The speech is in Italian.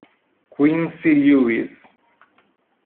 Quincy Lewis